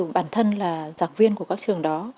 bản thân là giặc viên của các trường đó